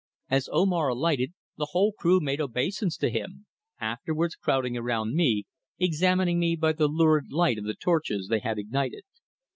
As Omar alighted the whole crew made obeisance to him, afterwards crowding around me, examining me by the lurid light of the torches they had ignited.